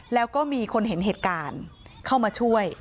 แล้วก็มีคนเห็นเหตุการณ์เข้ามาช่วย